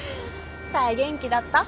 冴元気だった？